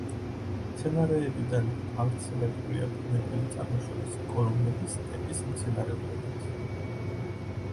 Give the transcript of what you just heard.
მცენარეებიდან გავრცელებულია ბუნებრივი წარმოშობის კორომები სტეპის მცენარეულობით.